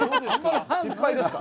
失敗ですか？